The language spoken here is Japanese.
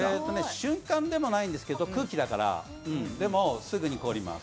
瞬間でもないんですけど、空気だからすぐに凍ります。